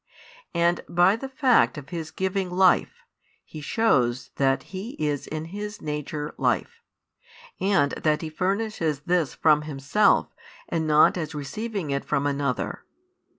And by the fact of His giving life, He shews that He is in His Nature Life, and that He furnishes this from Himself and not as receiving it from another.